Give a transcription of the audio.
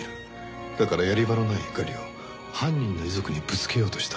だからやり場のない怒りを犯人の遺族にぶつけようとした。